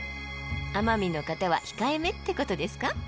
奄美の方は控えめってことですか？